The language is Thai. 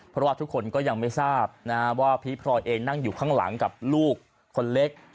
เพราะว่าทุกคนก็ยังไม่ทราบว่าพีชพลอยเองนั่งอยู่ข้างหลังกับลูกคนเล็ก